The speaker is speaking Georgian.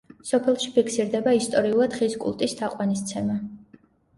სოფელში ფიქსირდება ისტორიულად ხის კულტის თაყვანისცემა.